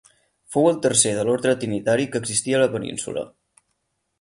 Fou el tercer de l'orde trinitari que existí a la península.